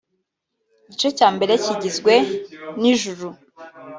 Igice cya mbere kigizwe n’I-Juru